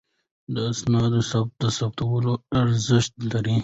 د اسنادو ثبت د ثبوت ارزښت لري.